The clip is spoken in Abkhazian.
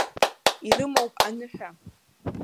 Ирымоуп аныҳәа.